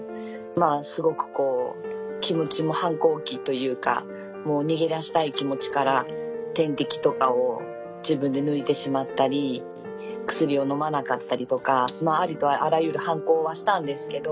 すごく気持ちも反抗期というかもう逃げ出したい気持ちから点滴とかを自分で抜いてしまったり薬を飲まなかったりとかありとあらゆる反抗はしたんですけど。